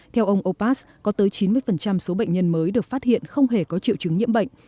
theo ông opas có tới chín mươi số bệnh nhân mới được phát hiện không hề có triệu chứng nhiễm bệnh